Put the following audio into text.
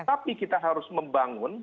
tapi kita harus membangun